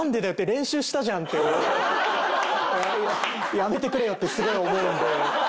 やめてくれよってすごい思うんで。